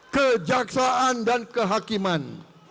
kejaksaan dan kehakiman